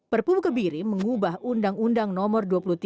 perpu kebiri mengubah undang undang nomor dua puluh tiga